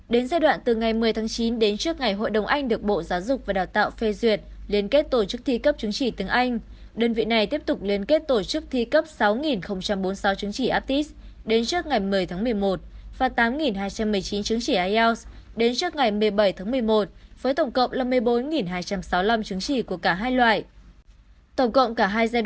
đến giai đoạn từ ngày một mươi chín đến trước ngày hội đồng anh được bộ giáo dục và đào tạo phê duyệt liên kết tổ chức thi cấp chứng chỉ tiếng anh đơn vị này tiếp tục liên kết tổ chức thi cấp sáu bốn mươi sáu chứng chỉ aptis đến trước ngày một mươi một mươi một và tám hai trăm một mươi chín chứng chỉ ielts đến trước ngày một mươi bảy một mươi một với tổng cộng năm mươi bốn hai trăm sáu mươi năm chứng chỉ của cả hai loại